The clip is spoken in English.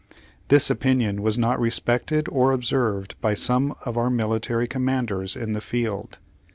This opinion was not respected or observed by some of our military commanders in the field.